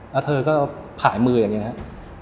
แล้วเธอก็ผ่ายมืออย่างนี้นะครับ